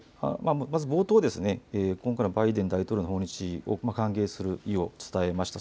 まず冒頭、今回のバイデン大統領の訪日を歓迎する意を伝えました。